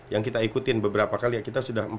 yang kita ikutin beberapa kali ya kita sudah